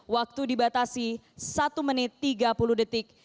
waktu dibatasi satu menit tiga puluh detik